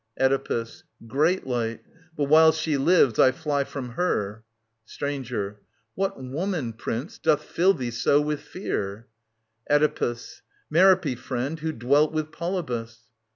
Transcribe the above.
Oedipus. Great light ; but while she lives I fly from her. Stranger. What woman, Prince, doth fill thee so with fear ? Oedipus. Merop^, friend, who dwelt with Polybus.